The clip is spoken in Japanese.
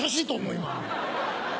今。